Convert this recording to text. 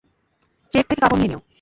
Check থেকে কাপড় নিয়ে নিও।